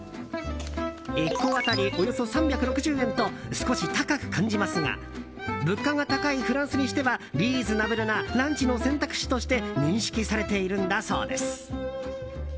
１個当たりおよそ３６０円と少し高く感じますが物価が高いフランスにしてはリーズナブルなランチの選択肢として認識されているんだそうです。